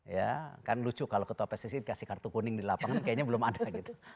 ya kan lucu kalau ketua pssi dikasih kartu kuning di lapangan kayaknya belum ada gitu